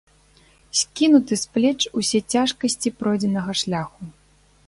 Скінуты з плеч усе цяжкасці пройдзенага шляху.